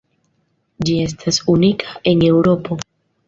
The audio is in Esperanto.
Ĝi estas unika en Eŭropo.